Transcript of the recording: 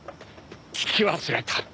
聞き忘れた。